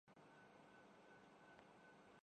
جلد بازی میں فیصلے کرتا ہوں